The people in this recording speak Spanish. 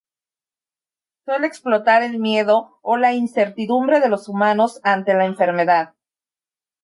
Suele explotar el miedo o la incertidumbre de los humanos ante la enfermedad.